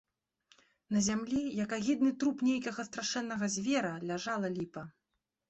На зямлі, як агідны труп нейкага страшэннага звера, ляжала ліпа.